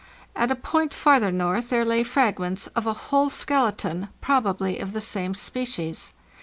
At a point farther north there lay fragments of a whole skeleton, probably of the same species.